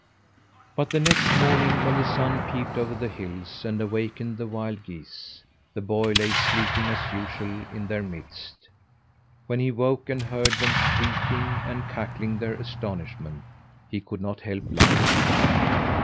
But the next morning, when the sun peeped over the hills and awakened the wild geese, the boy lay sleeping, as usual, in their midst. When he woke and heard them shrieking and cackling their astonishment, he could not help laughing.